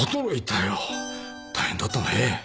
大変だったね。